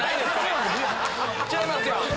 違いますよ。